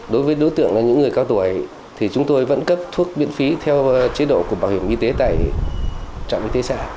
đối với đối tượng là những người cao tuổi thì chúng tôi vẫn cấp thuốc miễn phí theo chế độ của bảo hiểm y tế tại trạm y tế xã